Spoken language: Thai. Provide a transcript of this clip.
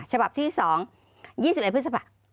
ฉบับที่๒๒๑พฤษภา